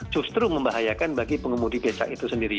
justru membahayakan bagi pengumum di becak itu sendiri